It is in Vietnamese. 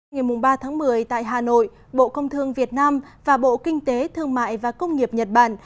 ngày ba tháng một mươi tại hà nội bộ công thương việt nam và bộ kinh tế thương mại và công nghiệp nhật bản